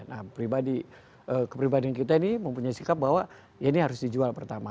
nah pribadi kepribadian kita ini mempunyai sikap bahwa ya ini harus dijual pertama